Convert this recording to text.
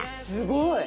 すごい。